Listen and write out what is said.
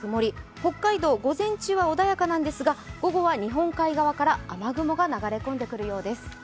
北海道、午前中は穏やかなんですが午後は日本海側から雨雲が流れ込んでくるようです。